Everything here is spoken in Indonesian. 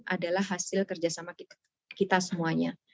adalah hasil kerjasama kita semuanya